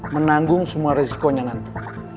menanggung semua resikonya nanti